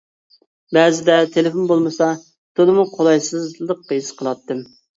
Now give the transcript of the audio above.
بەزىدە تېلېفون بولمىسا تولىمۇ قولايسىزلىق ھېس قىلاتتىم.